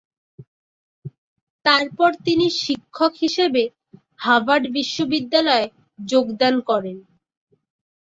তারপর তিনি শিক্ষক হিসাবে হার্ভার্ড বিশ্ববিদ্যালয়ে যোগদান করেন।